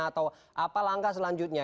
atau apa langkah selanjutnya